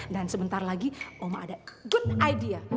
dan sebentar lagi oma ada good idea